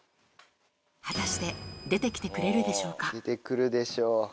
果たして、出てきてくれるでしょうか。